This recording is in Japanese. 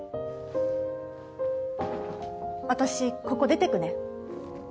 私ここ出ていくね。